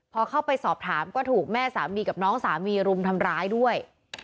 พอเข้าไปสอบถามก็ถูกแม่สามีกับน้องสามีรุมทำร้ายด้วย